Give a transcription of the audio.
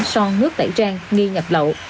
son nước tẩy trang nghi nhập lậu